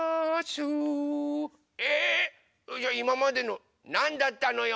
じゃあいままでのなんだったのよ！